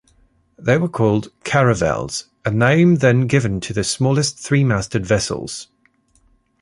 They were called caravels, a name then given to the smallest three-masted vessels.